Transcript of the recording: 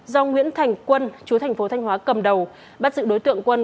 do nguyễn thành quân chú thành phố thanh hóa cầm đầu bắt giữ đối tượng quân